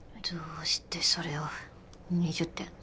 どうしてそれを２０点。